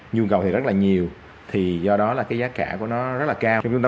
nhu cầu thì rất là nhiều thì do đó là cái giá cả của nó rất là cao